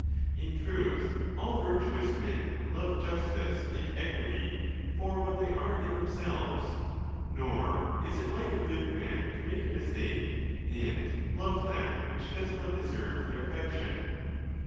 In truth, all virtuous men love justice and equity for what they are in themselves; nor is it like a good man to make a mistake, and love that which does not deserve their affection.